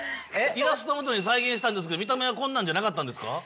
イラストをもとに再現したんですけど見た目はこんなんじゃなかったんですか？